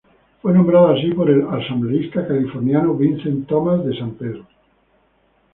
Fue nombrado así por el asambleísta californiano Vincent Thomas de San Pedro.